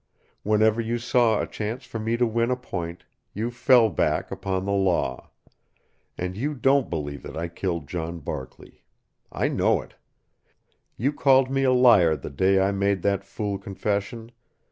Whenever you saw a chance for me to win a point, you fell back upon the law. And you don't believe that I killed John Barkley. I know it. You called me a liar the day I made that fool confession.